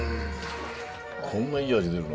こんないい味出るの？